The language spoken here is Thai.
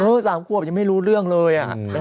พุทธสามทั่วยังไม่รู้เรื่องเลย